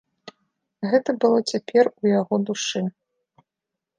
Гэта было цяпер у яго душы.